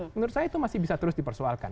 menurut saya itu masih bisa terus dipersoalkan